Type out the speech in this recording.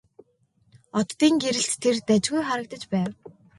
Оддын гэрэлд тэр дажгүй харагдаж байв.